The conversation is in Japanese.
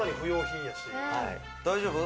大丈夫？